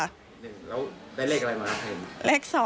ได้เลขอะไรมา